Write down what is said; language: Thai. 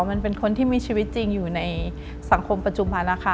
มันเป็นคนที่มีชีวิตจริงอยู่ในสังคมปัจจุบันนะคะ